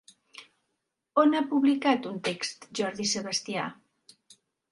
On ha publicat un text Jordi Sebastià?